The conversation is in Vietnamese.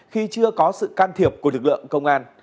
khi chưa có sự can thiệp của lực lượng công an